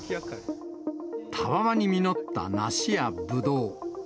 たわわに実った梨やぶどう。